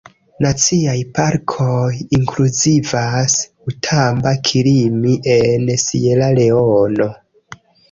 Naciaj parkoj inkluzivas "Outamba-Kilimi" en Sieraleono.